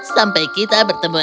sampai kita bertemu lagi